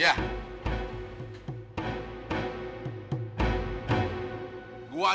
gue ada perlu sama dia